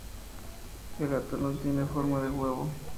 El atolón tiene forma de huevo.